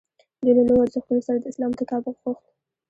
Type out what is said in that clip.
دوی له نویو ارزښتونو سره د اسلام تطابق غوښت.